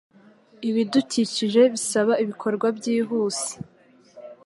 Ibidukikije bisaba ibikorwa byihuse.